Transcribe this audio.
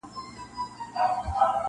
خو درد بې ځوابه پاتې کيږي تل,